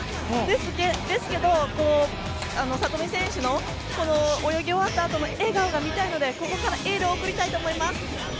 ですけど、聡美選手の泳ぎ終わったあとの笑顔が見たいので、ここからエールを送りたいと思います！